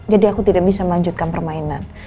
jadi aku tidak bisa melanjutkan permainan